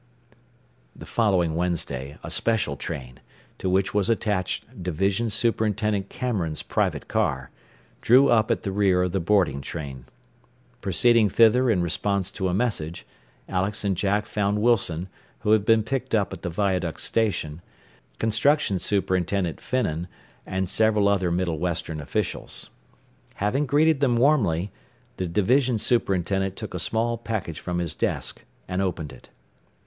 The following Wednesday a special train, to which was attached Division Superintendent Cameron's private car, drew up at the rear of the boarding train. Proceeding thither in response to a message, Alex and Jack found Wilson, who had been picked up at the viaduct station, Construction Superintendent Finnan and several other Middle Western officials. Having greeted them warmly, the division superintendent took a small package from his desk, and opened it.